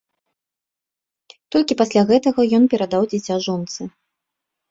Толькі пасля гэтага ён перадаў дзіця жонцы.